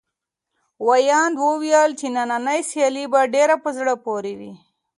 ویاند وویل چې نننۍ سیالي به ډېره په زړه پورې وي.